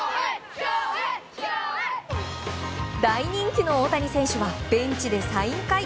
大人気の大谷選手はベンチでサイン会。